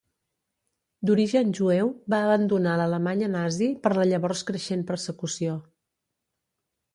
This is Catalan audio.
D'origen jueu, va abandonar l'Alemanya nazi per la llavors creixent persecució.